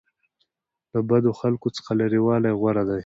له بدو خلکو څخه لرې والی غوره دی.